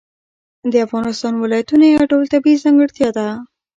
د افغانستان ولایتونه یو ډول طبیعي ځانګړتیا ده.